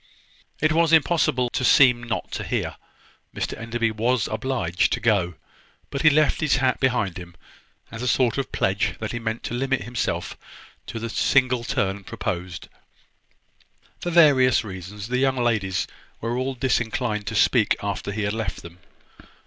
It was impossible to seem not to hear. Mr Enderby was obliged to go: but he left his hat behind him, as a sort of pledge that he meant to limit himself to the single turn proposed. For various reasons, the young ladies were all disinclined to speak after he had left them.